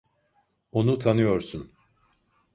Onu tanıyorsun.